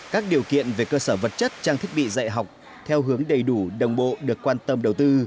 các điều kiện về cơ sở vật chất trang thiết bị dạy học theo hướng đầy đủ đồng bộ được quan tâm đầu tư